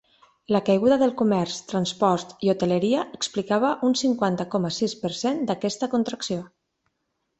La caiguda del comerç, transport i hoteleria explicava un cinquanta coma sis per cent d’aquesta contracció.